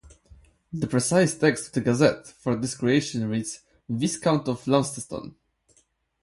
The precise text of the Gazette, for this creation reads "Viscount of Launceston".